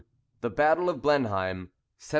THE BATTLE OF BLENHEIM, 1704.